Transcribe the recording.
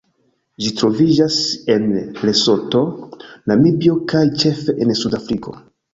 Ĝi troviĝas en Lesoto, Namibio kaj ĉefe en Sudafriko.